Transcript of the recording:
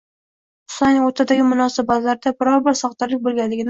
Husayin o'rtadagi munosabatlarda biron-bir soxtalik bo'lganligini